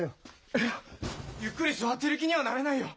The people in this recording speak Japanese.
いやゆっくり座ってる気にはなれないよ！